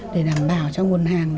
để đảm bảo cho nguồn hàng